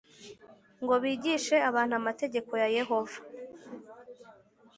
ngo bigishe abantu amategeko ya Yehova